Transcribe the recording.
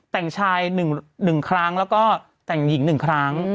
แต่งชาย๑ครั้งแล้วก็แต่งหญิง๑ครั้ง